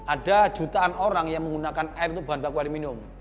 ada jutaan orang yang menggunakan air itu bahan baku aluminium